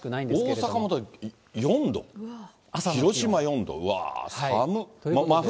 大阪も４度、広島４度、うわー、寒っ。